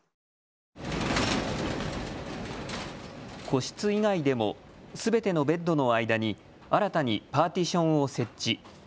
個室以外でもすべてのベッドの間に新たにパーティションを設置。